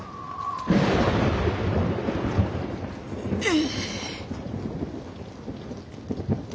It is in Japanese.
え。